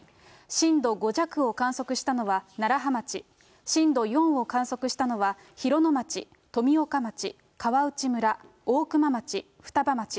震度５弱を観測したのは楢葉町、震度４を観測したのは広野町、富岡町、川内村、大熊町、双葉町。